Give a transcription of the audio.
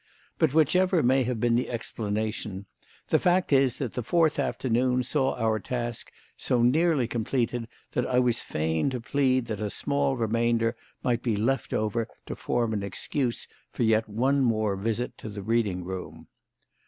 But whichever may have been the explanation, the fact is that the fourth afternoon saw our task so nearly completed that I was fain to plead that a small remainder might be left over to form an excuse for yet one more visit to the reading room.